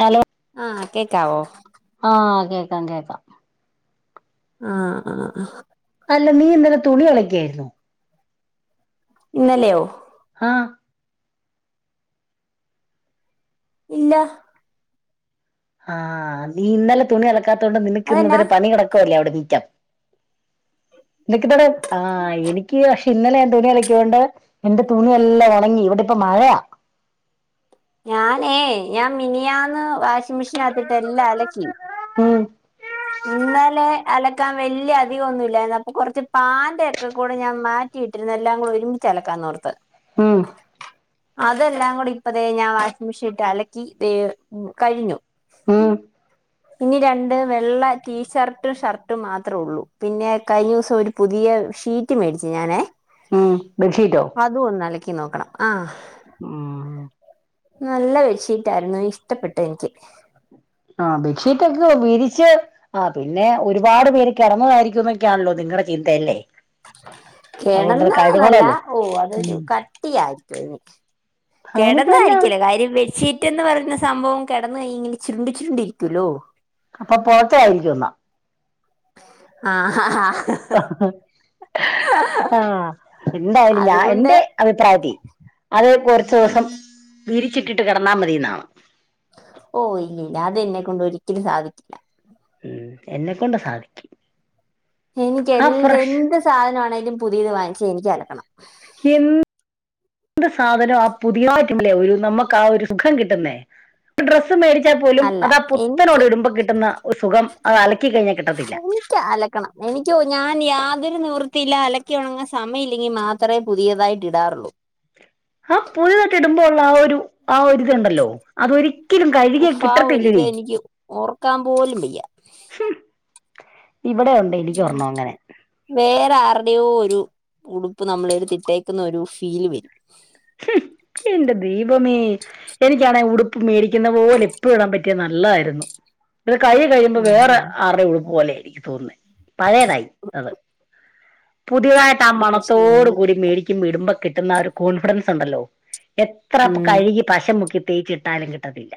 Hello ആ കേക്കാവോ ആഹ് കേക്കാം കേക്കാം ആ ആ അല്ല നീ ഇന്നലെ തുണി അലക്കിയിരുന്നോ? ഇന്നലെയോ. ആഹ് ഇല്ല ആ നീ ഇന്നലെ തുണി അലക്കാത്തോണ്ട് നിനക്ക് അതെന്നാ ഇന്നതിരെ പണി കെടക്കുവല്ലേ അവിടെ നീ [unintelligible] നിനക്കിതടെ ആ എനിക്ക് പക്ഷെ ഇന്നലെ ഞാൻ തുണിയലക്കിയോണ്ട് എന്റെ തുണിയെല്ലാം ഉണങ്ങി ഇവിടിപ്പം മഴ ഞാനേ ഞാൻ മിനിയാന്ന് വാഷിംഗ് മെഷീനാത്തിട്ടെല്ലാം അലക്കി. ഉം ഇന്നലെ അലക്കാൻ വലിയ അധികം ഒന്നും ഇല്ലായിരുന്നു. അപ്പൊ കൊറച്ച് പാൻ്റ് ഒക്കെ കൂടെ ഞാൻ മാറ്റി ഇട്ടിരുന്ന് എല്ലാം കൂടെ ഒരുമിച്ച് അലക്കാന്നോർത്ത്. ഉം അതെല്ലാം കൂടി ഇപ്പതേ ഞാൻ വാഷിംഗ് മെഷീനിലിട്ട് അലക്കി ദേ കഴിഞ്ഞു. ഉം ഇനി രണ്ട് വെ ള്ള ടീഷർട്ടും ഷർട്ടും മാത്രമേ ഉള്ളൂ. പിന്നെ കഴിഞ്ഞ ദിവസം ഒരു പുതിയ ഷീറ്റ് മേടിച്ചു ഞാനേ ഉം ബഡ്ഷീറ്റോ. ക്കി നോക്കണം ആ ഉം നല്ല ബെഡ്ഷീറ്റായിരുന്നു ഇഷ്ടപ്പെട്ടു എനിക്ക്. ആ ബെഡ്ഷീറ്റൊക്കെ വിരിച്ച് ആ പിന്നെ ഒരുപാട് പേര് കിടന്നതായിരിക്കും എന്നൊക്കെയാണല്ലോ നിങ്ങടെ ചിന്ത അതല്ലേ കെടന്നതന്നല്ല ഓ അതൊരു ഉം കട്ടിയായിരിക്കു അതിന്. അതിനിപ്പോ എന്നാ കെടന്നതായിരിക്കില്ല കാര്യം ബെഡ്ഷീറ്റ് എന്ന് പറയുന്ന സംഭവം കിടന്നു കഴിഞ്ഞ ഇങ്ങന ചുരുണ്ടു ചുരുണ്ടിരിക്കൂലോ. അപ്പൊ പോത്തായിരിക്കും എന്നാ. ആ ആ ആ ആ എന്തായാലും ഞാൻ അതുകൊണ്ട് എന്റെ അഭിപ്രായത്തി അത് കുറച്ച് ദോസം വിരിച്ചിട്ടിട്ട് കിടന്നാൽ മതിന്നാണ് ഓ ഇല്ല ഇല്ല അതെന്നെ കൊണ്ട് ഒരിക്കലും സാധിക്കില്ല ഉം എന്നെക്കൊണ്ട് സാധിക്കും എനിക്ക് ആ എന്ത് ഫ്രഷ് എന്ത് സാധനമാണേലും പുതിയത് വാങ്ങിച്ചാ എനിക്ക് അല എന്ത് എന്ത് സാധനം ആ പുതിയായിട്ടല്ലേ ഒരു നമുക്ക് ആ ഒരു സുഖം കിട്ടുന്നേ ഡ്ര ഡ്രസ്സ് മേടിച്ചാൽ പോലും അല്ല എനിക്ക് അതാപുത്തനോട് ഇടുമ്പോ കിട്ടുന്ന ഒരു സുഖം അത് അലക്കി കഴിഞ്ഞാൽ കിട്ടത്തില്ല കണം എനിക്ക ഞാൻ യാതൊരു നിവർ നിവൃത്തിയില്ല അലക്കി ഉണങ്ങാ സമയമില്ലെങ്കി മാത്രമേ പുതിയതായിട്ട് ഇടാറുള്ളൂ ആ പുതിതൊക്കെ ഇടുമ്പോ ഉള്ള ആ ഒരു ആരിതുണ്ടല്ലോ അതൊ ഒരിക്കലും കഴുകിയ ഉഫാ ഒരിത് കിട്ടത്തില്ലടി എനിക്ക് ഓർക്കാൻ പോലും വയ്യ ഇവിടെ ഉണ്ട് എനിക്കൊരെണ്ണം വേ അങ്ങനെ വേറെ ആരുടെയോ ഒരു ഉടുപ്പ് നമ്മള് എടുതിട്ടേക്കുന്ന ഒരു ഫീല് വരും ഉം എന്റെ ദൈവമേ എനിക്കാണെ ഉടുപ്പ് മേടിക്കുന്ന പോലെ എപ്പളും ഇടാൻ പറ്റിയ നല്ലതായിരുന്നു ഇത് കഴുകി കഴിയുമ്പോ വേറെ ആരുടെ ഉടുപ്പ് പോലെയ തോന്നുന്നത് പഴയതായി അത് പുതിയതായിട്ട് ആ ഇവിടെ പക്ഷെ മണത്തോട് നേരെ കൂടി മേടിക്കുമ്പോ ഇടുമ്പോ കിട്ടുന്ന ഒരു കോൺഫിഡൻസ് ഉണ്ടല്ലോ എത്ര ഉം കഴുകി പശ മുക്കി തേച്ചിട്ടാലും കിട്ടത്തില്ല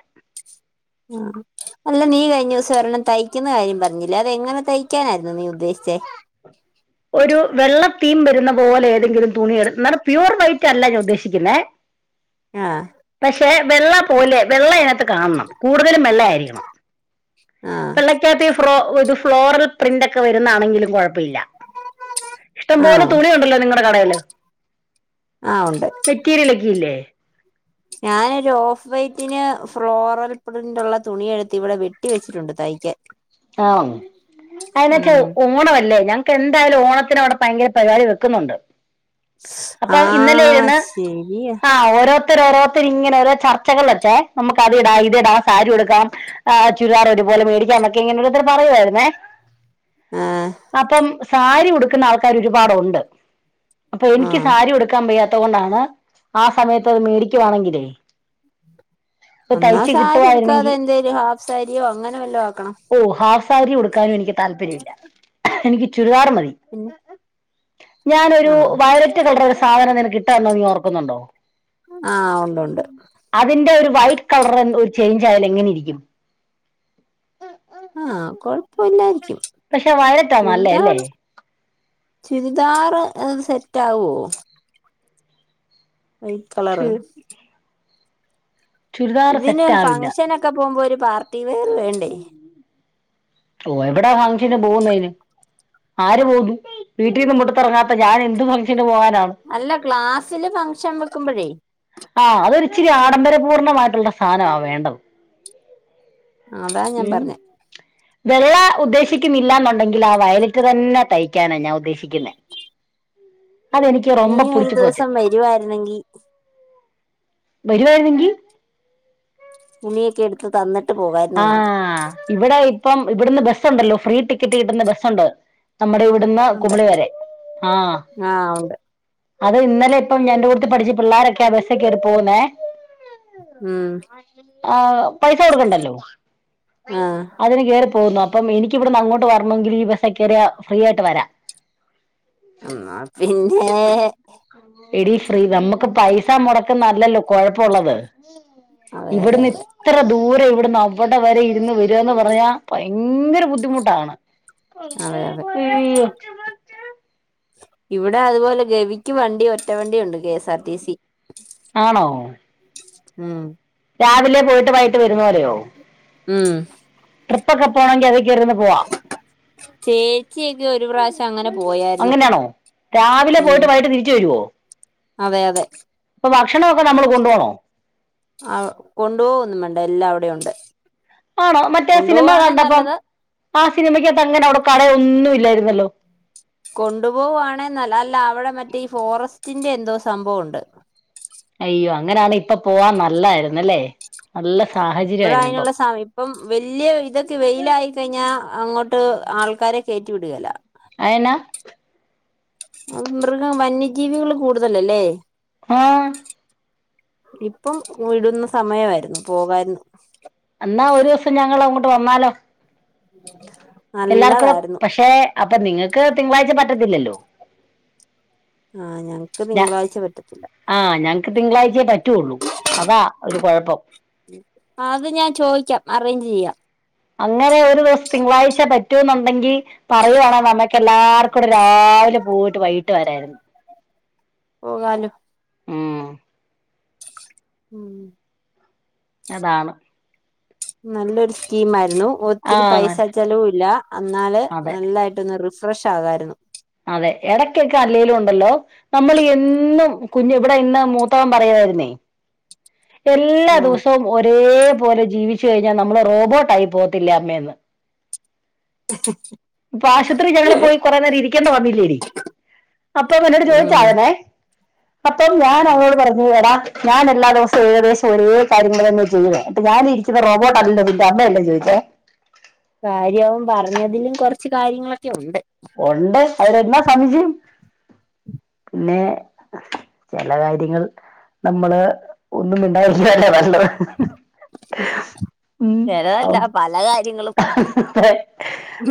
അല്ല നീ കഴിഞ്ഞ ദിവസം ഒരെണ്ണം തയ്ക്കുന്ന കാര്യം പറഞ്ഞില്ലേ അത് എങ്ങനെ തയ്ക്കാനായിരുന്നു നീ ഉദ്ദേശിച്ച ച്ചെ ശബ്ദം ക്ലിയർ അല്ല ഒരു വെള്ളത്തീം വരുന്ന പോലെ ഏതെങ്കിലും തുണി എടുത്ത് നല്ല പ്യൂവർ വൈറ്റ് അല്ല ഞാൻ ഉദ്ദേശിക്കുന്ന ആ വെള്ള പോലെ വെള്ള എന കാണണം കൂടുതലും വെള്ള ആയിരിക്കണം ആഹ് വെള്ളക്കാത്തി ഫ്രോ ഒരു ഫ്ലോറൽ പ്രിന്റൊക്കെ വരുന്നാണെങ്കിലും കുഴപ്പ ഇല്ല ഇഷ്ടംപോലെ ആണോ തുണിയുണ്ടല്ലോ നിങ്ങടെ കടയില് ആഹ് ഉണ്ട് മെറ്റീരിയലെക്കയില്ലേ ഞാനൊരു ഓഫ് വൈറ്റിന് ഫ്ലോറൽ പ്രിൻറുള്ളതുണി എടുത്ത് ഇവിടെ വെട്ടി വെച്ചിട്ടുണ്ട് തയിക്കാൻ ആ അതിനക്കെ ഓണമല്ലേ ഞാൻ എന്തായാലും ഓണത്തിന് അവിടെ ഭയങ്കര പരിപാടി വെക്കുന്നുണ്ട് അപ്പൊ ഇന്നലെ ആഹ് ഇരുന്ന് ശരിയാ ആ ഓരോരുത്തരോഓരോത്ത ത്തി ഇങ്ങനെ ഓരോ ചർച്ചകൾ വെച്ചെ ഇങ്ങനെ ഓരോ ചർച്ചകൾവെച്ചേ നമുക്ക് അത് ഇടാം ഇതിടാം സാരി ഉടുക്കാം ചുരിദാർ ഒരുപോലെ മേടിക്കാം ക്കെ ഇങ്ങനെത്ത പറയായിന്നേ ആഹ് അപ്പം സാരിഉടു ഉടുക്കുന്ന ആൾക്കാർ ഒരുപാടുണ്ട് അപ്പൊ എനിക്ക് ആഹ് സാരി ഉടുക്കാൻ വയ്യാ ത്തൊണ്ടാണ് ആ സമയത്ത് അത് മേടിക്കുവാണെങ്കിലേ അപ്പൊ എന്നാ തയ്ച്ച് സാരി ഉടുക്കാതെ കിട്ടുവായിരുന്നെങ്കി എന്താലും ഹാഫ് സാരിയോ അങ്ങനെ വല്ലോ ആക്കണം ഓ ഹാഫ് സാരി ഉടുക്കാനും എനിക്ക് താല്പര്യംമില്ല എനിക്ക് ചുരിദാർ മതി പിന്നെ ഞാനൊരു ആണോ വയലറ്റ് കളർ ഒരു സാധനം നിനക്ക് ഇട്ട തന്ന നീ ഓർക്കുന്നുണ്ടോ ആഹ് ഉണ്ട് ഉണ്ട് അതിന്റെ ഒരു വൈറ്റ് കളർ ഒരു ചേഞ്ച് ആയാൽ എങ്ങനെ ഇരിക്കും ആ കൊഴപ്പ ഇല്ലായിരിക്കും പക്ഷെ വയലറ്റാ നല്ലേ ചുരിദാർ അല്ലേ ചുരിദാർ അത് സെറ്റ് ആഉവോ വൈറ്റ് ചു കളറ് ചുരിദാർ ഇതിന് സെറ്റ് ആവില്ല ഫങ്ഷനൊക്കെ പോകുമ്പോ ഒരു പാർട്ടി വെയർ വേണ്ടേ ഓ എവിടാ ഫങ്ഷന് പോകുന്നതിന് ആര് പോകു വീട്ടിൽന്നുമ്പോട്ട്ത്തിറങ്ങാത്ത ഞാൻ എന്ത് ഫംഗ്ഷന് പോകൻ അല്ല ക്ലാസ്സില് ഫംഗഷൻ വെക്കുമ്പോഴേ ആ അതൊരിച്ചിരി ആഡംബരപൂർണ്ണമായിട്ടുള്ള സാധനമാ വേണ്ടത് ആ അതാ ഞാൻ ഉം പറഞ്ഞ വെള്ള ഉദ്ദേശിക്കുന്നില്ലന്നുണ്ടെങ്കിൽ ആ വയലിറ്റ് തന്നെ തയ്ക്കാനാണ് ഞാൻ ഉദ്ദേശിക്കുന്ന അത് എനിക്ക് നീ രൊമ്പ ഒരു പിടിച്ചു പോച്ചേ ദിവസം വരുവായിരുന്നെങ്കി വരുവായിരുന്നെങ്കിൽ ഉണിയൊക്കെ എടുത്ത് തന്നിട്ട് പോകായിരുന്നു ആ നിനക്ക് ഇവിടെ ഇപ്പം ഇവിടുന്ന് ബസ്സുണ്ടല്ലോ ഫ്രീ ടിക്കറ്റ് കിട്ടുന്ന ബസ്സുണ്ടോ നമ്മുടെ ഇവിടുന്ന് ഉണ്ട് കുമിളി വരെ ആഹ ആഹ് ഉണ്ട് അത് ഇന്നലെ ഇപ്പം ഞന്റെ കൂടുത്ത് പഠിച്ച പിള്ളോരൊക്കെ അഭ്യസക്ക എറി പോകുന്നേ ആഹ ആ പൈസ കൊടുക്കണ്ടല്ലോ ആഹ് അതിന്റെ പോന്നു അപ്പം എനിക്കിവിടുന്ന് അങ്ങോട്ട് വരണമെങ്കിൽ ഈ ബസ്സ ഒക്കറിയ ഫ്രീ ആയിട്ട് വരാം എന്നാ പിന്നെ ഇടീ ഫ്രീ നമ്മുക്ക് പൈസ മുടക്കുന്നല്ലല്ലോ കൊഴപ്പുള്ളത് അതെ അതെ ഇവിടുന്ന് അതെ ഇത്ര ദൂരം ഇവിടുന്ന് ഇപ്പോട്ട വരെ ഇരുന്ന് വരുന്ന് പറഞ്ഞാ ഭയങ്കര ബുദ്ധിമുട്ടാണ് അതെ അതെ ഉ [unintelligible] ഇവിടെ അതുപോലെ ഗവിക്ക് വണ്ടി ഒറ്റവണ്ടിയ ഉണ്ട് കെഎസ് ആർ ടിസി ആണോ ഉം രാവിലെ പോയിട്ട് വൈട്ട് വരുന്നലെയോ ഉം ട്രിപ്പ ഒക്കെ പോണമെങ്കിൽ അതിൽകയറിഇരുന്ന് പോവാം ചേച്ചിയക്കെ ഒരു പ്രാവശ്യം അങ്ങനെ പോയായിരുന്നു അങ്ങനെയാണോ രാവിലെ ഉം പോയിട്ട് വൈികിട്ട് തിരിച്ചു വരുവോ അതെ അതെ ഇപ്പൊ ഭക്ഷണൊക്കെ നമ്മൾ കൊണ്ടു പോണോ ആ കൊണ്ടു പോവ ഒന്നും വേണ്ട എല്ലാം അവിടെ ഉണ്ട് ആണോ മറ്റേ സിനിമ കൊണ്ടുപോവാണെ കണ്ടപ്പം നല്ലത് ആ സിനിമയ്ക്ക അങ്ങനെ അവിടെ കളയൊന്നുംല്ലായിരുന്നു വല്ലോ കൊണ്ടുപോവുവാണെന്നല്ല അല്ല അവിടെ മറ്റേ ഈ ഫോറസ്റ്റിറെ എന്തോ സംഭവംണ്ട് അയ്യോ അങ്ങനാണ് ഇപ്പ പോവാൻ നല്ലായിന്നല്ലേ ഇപ്പഴ അതിനുള്ള സമയ ഇപ്പം വല്ല്യയ ഇതൊക്കെ വെയിലായി കഴിഞ്ഞാ അങ്ങോട്ട് ട് ആൾക്കാരെ കേയറ്റി വിടുകല്ല അയനാ മൃഗം വന്യജീവികൾ കൂടുതലല്ലേ ആഹ ഇപ്പം വിടുന്ന സമയമായിരുന്നു പോകായിരുന്നു എന്നാ ഒരു ദിവസം ഞങ്ങൾ അങ്ങോട്ട് വന്നാലോ ഉ [unintelligible] എല്ലാർക്കും പക്ഷെ അപ്പൊ നിങ്ങൾക്ക് തിങ്കളാഴ്ച പറ്റത്തില്ലല്ലോ ആഹ ഞങ്ങക്ക് ഞ തിങ്കളാഴ്ച പെറ്റത്തില്ല ആ ഞങ്ങക്ക് തിങ്കളാഴ്ചയേ പറ്റുള്ളൂ അതാ ഒരു കുഴപ്പം അത് ഞാൻ ചോദിക്കാം അറേഞ്ച് ചെയ്യാം അങ്ങനെ ഒരു ദിവസം തിങ്കളാഴ്ച പറ്റൂ എന്നുണ്ടെങ്കിൽ പറയുവാണെ നമ്മക്ക് എല്ലാർ കൂടിടെ രാവിലെ പോയിട്ട് വൈകിട്ട് വരമായിരുന്നു പോകാലോ ഉം ഉം അതാണ് നല്ലൊരു സ്കീം ആയിരുന്നു. ആ ഒത്തിരി പൈസ നല്ല ചെലവും ഇല്ല എന്നന്നാല് അതെ നല്ലായിട്ടൊന്ന് റിഫ്രഷ് ആകമായിരുന്നു അതെ ഇടയ്ക്കൊക്കെ അല്ലേലും ഉണ്ടല്ലോ നമ്മൾ എന്നും കുഞ്ഞു ഇവിടെ ഇന്ന് മൂത്താകം പറയതായിരുന്നേ എല്ലാ ഉം ദിവസവും ഒരേ- ല ജീവിച്ചു കഴിഞ്ഞാൽ നമ്മള് റോബോട്ട് ആായി പോത്തില്ല അമ്മയന്ന് അ [unintelligible] ഇപ്പൊ ആശുപത്രി ഞങ്ങള്ൾ പോയി കുറെേ നേം ഇരിക്കേണ്ട വന്നില്ലേടി അപ്പൊ പിന്നോട് ഉം ചോദിച്ചാകനെ അപ്പം ഞാൻ അവോട് പറഞ്ഞുേടാ ഞാൻ എല്ലാ ദിവസവും ഏകദേശം ഒരേ കാര്യങ്ങൾന്നെ ചെയ്ട്ട് ഞാനിരിക്കുന്ന റോബോട്ട അല്ലോതിന്റെ അമ്മയല്ലേ ചോദിച്ചത് [inaudible] കാര്യവും പറഞ്ഞതിലും കുറച്ച് കാര്യങ്ങളൊക്കെ ഉണ്ട് ഉണ്ട് എന്താ എന്നാ സംശയം പിന്നെ ചില കാര്യങ്ങൾ- നമ്മള് ഒന്നും മിണ്ടാതിരിക്കല്ലേ വേണ്ടത് ഉ ഉം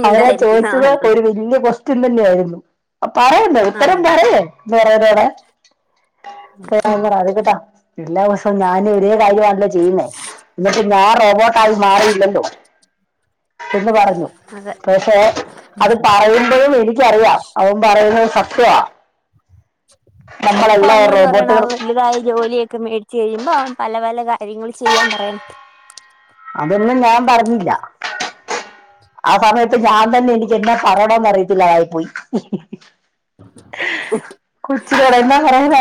അവരാ ഉണ്ടായിരിക്കുന്ന ചോദിച്ചത് നല്ലത് ഒരു- വലയ ക്വസ്റ്റ്യൻ തന്നെയ ആയിരുന്നു അ പറയണ്ട ഇത്തരം ആയിരുന്നു പറയേ എന്ത പറയതടെ ആ. കേട്ടാ എല്ലാവർഷവും ഞാന് ഒരേ കാര്യമാണല്ലോ ചെയ്യുന്നേ എന്നിട്ട് ഞാൻ റബോട്ട മാറിയില്ലല്ലോ എന്ന് പറഞ്ഞു അതെ പക്ഷെ അത് പറയുമ്പോഴും എനിക്കറിയാം അവൻ പറയുന്നത് സത്യമാ- നമ്മളെല്ലാം അവനോട് റോബോട്ടുകൾ പറയണം വലുതായ ജോലിയൊക്കെ മേടി- ചെയ്യുമ്പോ പല പല കാര്യങ്ങൾ ചെയ്യാൻ പറയണം. അതൊന്നും ഞാൻ പറഞ്ഞില്ല ആ സമയത്ത് ഞാൻ തന്നെ എനിക്ക് പറയാ ആണന്നറിയത്തില്ലതായിപ്പോയി കൊച്ചിനൊടെ എന്താ പറയാന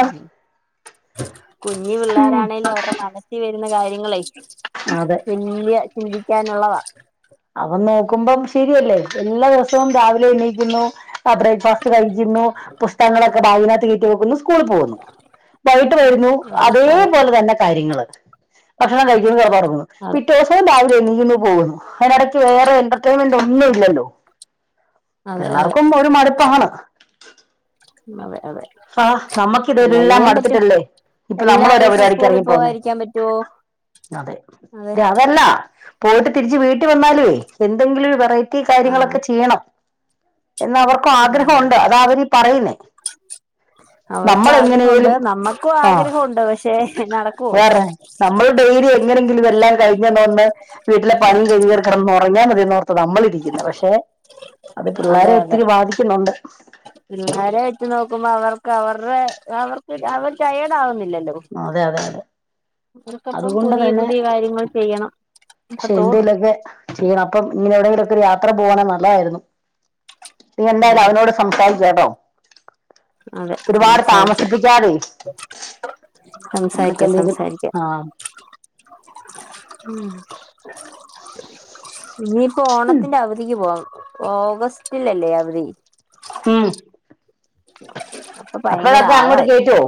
കുഞ്ഞു പിള്ളോരാണേലും അവരുടെ മനസ്സിൽ വരുന്ന കാര്യങ്ങളെ അതെ വല്യ ചിന്തിക്കാനുള്ളതാ അതൊന്നോ കുമ്പോൾ ശരിയല്ലേ എല്ലാ ദിവസവും രാവിലെ എണ്ണീക്കുന്നു ബ്രേക്ക്ഫാസ്റ്റ് കഴിക്കുന്നു പു- ങ്ങളക്കൊബാഗിനകത്ത് കേറ്റിവെയ്ക്കുന്നു സ്കൂള പോകുന്നു വൈകിട്ട് വരുന്നു അതെ അതെ അതേപോലെ തന്നെ കാര്യങ്ങള് ഭക്ഷണം കഴിക്കുന്നത് പറഞ്ഞുന്നു അതെ പിറ്റേ ദിവസവും രാവിലെ എന്നിക്കുന്നു പോകുന്നു അനി ഇടയ്ക്ക് വേറെ എന്റർടൈൻമെന്റ് ഒന്നും ഇല്ലല്ലോ അതെ അതെ പിള്ളേർക്കും അതെ ഒരു മടുപ്പാണ്. അതെ അതെ ആ എന്നാ നമ്മക്കിതെല്ലാം ചെയ്യാൻ പറ്റും മടുത്തിട്ടല്ലേ ഇപ്പൊ നമ്മൾ എല്ലാ ഓരോ ദിവസവും പരിപാടിക്ക് സ്കൂളിൽ ഇറങ്ങി പോന്നേ പോകാതിരിക്കാൻ പറ്റുവോ? അതെ അതെ അ അതല്ല പോയിട്ട് തിരിച്ച് വീട്ട് വന്നാലേ എന്തെങ്കിലും ഒരു വെറൈറ്റി ആഹ് കാര്യങ്ങളൊക്കെ ചെയ്യണം എന്ന അവർക്കും ആഗ്രഹണ്ട് ആഹ് അത അവരി പറയുന്നേ അവർക്ക് നമ്മൾ ആഗ്രഹമുണ്ട് എങ്ങനെലും നമ്മക്കും ആ ആഗ്രഹമുണ്ട് പക്ഷെ നടക്കുവോ വേറെ നമ്മൾ ഡെലിയക്ക എങ്ങനെങ്കിലും എല്ലാം കഴിഞ്ഞ തന്ന് വീട്ടിലെ പണി ചെയ്വർ ഉറങ്ങാൽ മതിന്നോർത്ത് നമ്മളിരിക്കുന്നത് പക്ഷെ അത് അതെ പിള്ളാരെ അതെ ഒത്തിരി ബാധിക്കുന്നുണ്ട് പിള്ളാരെ വെച്ച് നോക്കുമ്പോ അവർക്ക് അവരുടെ അവർക്ക് അവർ റ്റയടാവുന്നില്ല അതെഅതെ അതെ. അവർക്കപ്പം അതുകൊണ്ട് പുതിയ തന്നെ പുതിയ കാര്യങ്ങൾ ചെയ്യണം ഒക്കെ പക്ഷെ തോന്നും എന്തേങ്കലൊക്കെ ചെയ്യണം അപ്പൊ ഇങ്ങനെ എവിടെങ്കിലുമൊക്കെ യാത്ര പോകണ നല്ലതായിരുന്നു നീ എന്തായാലും ഉം അവനോട് സംസാരിച്ച് കേട്ടോ അതെ ഒരുപാട് സംസാരിക്കാം താമസിപ്പിക്കാതെ സംസാരിക്കാം എന്നിട്ടേതെന്തെകിലും സംസാരിക്കാം ആ ഉം ഇനിയിപ്പോ ഓണത്തിന്റെ അവധിക്ക് പോവാം ഓഗസ്റ്റിലല്ലേ അവധി ഉ അപ്പൊ ഭയങ്കര അപ്പഴൊക്കെ അങ്ങോട്ട് ആളായിരിക്കും കേയറ്റോ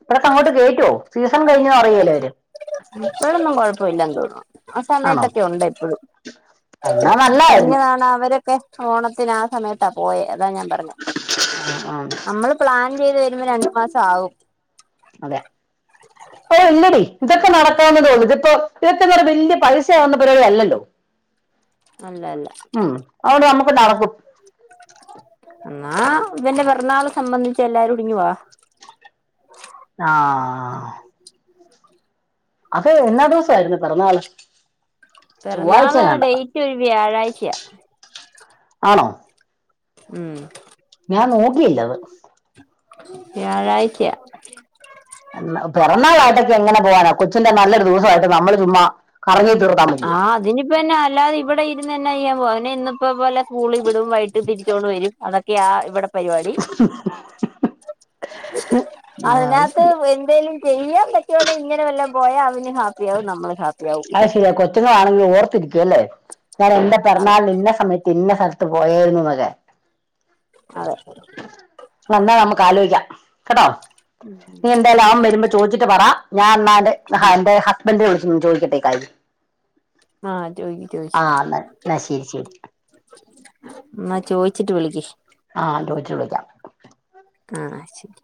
ഇപ്പോ അങ്ങോട്ട് കേറ്റുവോ സീസൺ കഴിഞ്ഞ അറിയൂലെ അവര് എപ്പോഴൊന്നും കൊഴപ്പമില്ലന്ന് തോന്നുന്ന് ആ ആണോ സമയത്തൊക്കെ ഉണ്ട് എപ്പോഴും എന്നാ അ നല്ലായിരുന്നു എങ്ങനെയാണ് അവരൊക്കെ ഓണത്തിന് ആ സമയത്താ പോയ അതാ ഞാൻ പറഞ്ഞു ആ നമ്മള് പ്ലാൻ ചെയ്ത് വരുമ്പോ രണ്ടു മാസം ആവും അതെ അപ്പൊ ഇല്ലടി ഇതൊക്കെ നടക്കാവുന്നതേ ഉളളൂ ഇത് ഇപ്പൊ ഇതൊക്കെങ്ങനെ വലിയ പൈസയാവുന്ന പരിപാടി അല്ലല്ലോ അല്ല അല്ല ണ് കുട്ടി എന്നാ ഇവന്റെ പിറന്നാൾ സംബന്ധിച്ച് എല്ലാരുടിങ്ങു വാ ആ അതെ എന്നാ ദിവസം ആയിരുന്നു പിറന്നാള് ചൊവ്വാഴ്ച പിറന്നാള് കണ്ട ഡേറ്റ് ഒരു വ്യാഴാഴ്ചയാ ആണോ ഉം ഞാൻ നോക്കിയില്ലത് വ്യാഴാഴ്ച്ചയാ പെറന്നാളായിട്ടൊക്കെ എങ്ങനെ പോവാനോ കൊച്ചിന്റെ നല്ലൊരു ദിവസമായിട്ട് നമ്മള് ചുമ്മാ കറങ്ങി തീർത്താൻ ആ മതിയോ അതിനിപ്പന്ന അല്ലാതെ ഇവിടെ ഇ തന്നെെയ്യാൻ പോ ഇന്നപ്പോ പോലെ സ്കൂളിൽ വിടും വൈകിട്ട് തിരിച്ചൊണ്ട് വരും അതൊക്കെയ ആ ഇവിടെ പരിപാടി ആ, അത് അതിനകത്ത് ശരി. എന്തേലും ചെയ്യാൻ പറ്റുകയാണേ ഇങ്ങനെ വല്ലോം പോയാ അവനും ഹാപ്പിയാവും നമ്മളും ഹാപ്പിയാവും പറ്റണെങ്കിൽ ഓർത്തിരിക്കുവ അല്ലേ ഞാൻ എന്റെ അതെ പിറന്നാൾ ഇന്ന സമയത്ത് പിന്നെ സ്ഥലത്ത് പോയായിരുന്നു മകെ അതെ വന്നാൽ നമുക്ക് ആലോചിക്കാം കേട്ടോ ഉം നീ എന്താലു അവം വരുമ്പോ ചോദിച്ചിട്ട് പറ ഞാൻ എന്നാൽ ഉം എന്റെ ര ചോദിക്കട്ടേക്കായി ആ ചോയ്ക് ചോയ്ക്ച്ച എന്നാ ശരി ശരി എന്നാ ചോയ് ചിട്ട് വിളിക്ക് ആ ചോദിച്ചു വിളിക്കാം ആ ശരി